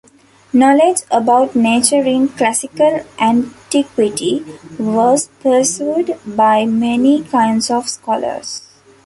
Knowledge about nature in Classical Antiquity was pursued by many kinds of scholars.